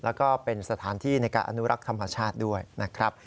แล้วก็เป็นสถานที่ในการอนุรักษ์ธรรมชาติด้วยนะครับ